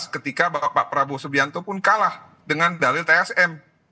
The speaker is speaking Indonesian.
ketika bapak prabowo subianto pun kalah dengan dalil tsm